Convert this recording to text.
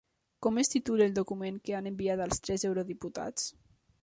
Com es titula el document que han enviat els tres eurodiputats?